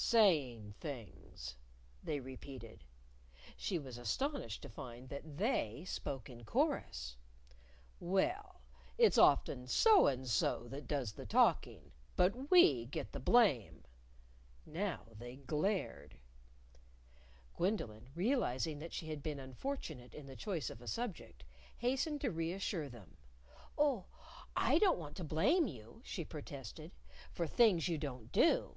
"Saying things," They repeated. (She was astonished to find that They spoke in chorus!) "Well, it's often So and So that does the talking, but we get the blame." Now They glared. Gwendolyn, realizing that she had been unfortunate in the choice of a subject, hastened to reassure them. "Oh, I don't want to blame you," she protested, "for things you don't do."